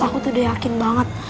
aku tuh udah yakin banget